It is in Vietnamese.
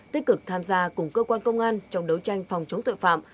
tích cực tham gia cùng cơ quan công an trong đấu tranh phòng chống tội phạm